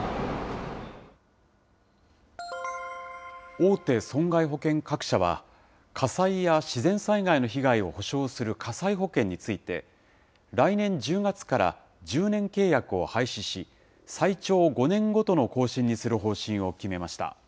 大手損害保険各社は、火災や自然災害の被害を補償する火災保険について、来年１０月から１０年契約を廃止し、最長５年ごとの更新にする方針を決めました。